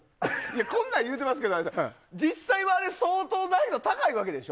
こんなん言うてますけど相当難易度が高いわけでしょ？